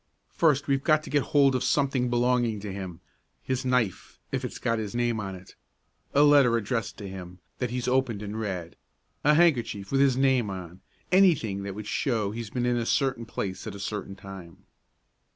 "First we've got to get hold of something belonging to him his knife, if it's got his name on; a letter addressed to him, that he's opened and read; a handkerchief with his name on; anything that would show he'd been in a certain place at a certain time."